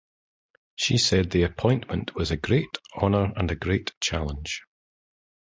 She said the appointment was a "great honour and a great challenge".